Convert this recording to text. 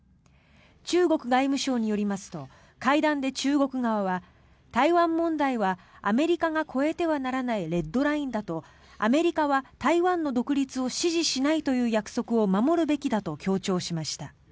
中国外務省によりますと会談で中国側は台湾問題はアメリカが越えてはならないレッドラインだとアメリカは台湾の独立を支持しないという約束を守るべきだと強調しました。